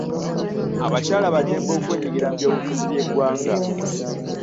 Abakyala ba ddembe okwenyigira mu byobufuzi by'eggwanga.